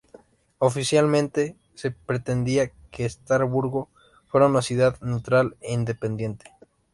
Oficialmente, se pretendía que Estrasburgo fuera una ciudad neutral e independiente.